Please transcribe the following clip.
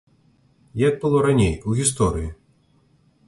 Як было раней, у гісторыі?